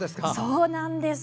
そうなんです。